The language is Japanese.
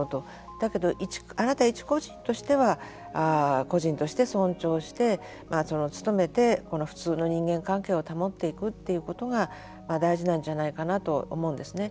だけど、あなた一個人としては個人として尊重して努めて普通の人間関係を保っていくということが大事なんじゃないかなと思うんですね。